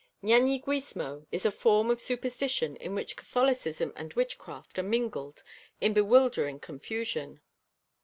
Ñañiguismo is a form of superstition in which Catholicism and witchcraft are mingled in bewildering confusion.